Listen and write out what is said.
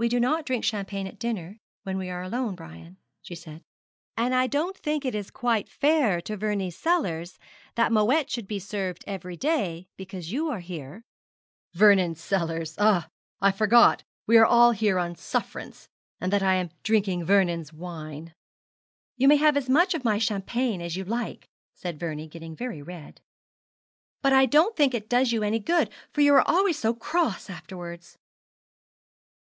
'We do not drink champagne at dinner when we are alone, Brian,' she said; 'and I don't think it is quite fair to Vernie's cellars that Moët should be served every day because you are here. 'Vernon's cellars! Ah, I forgot that we are all here on sufferance, and, that I am drinking Vernon's wine.' 'You may have as much of my champagne as you like,' said Vernie, getting very red; 'but I don't think it does you any good, for you are always so cross afterwards.'